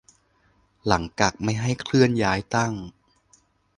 หลังกักไม่ให้เคลื่อนย้ายตั้ง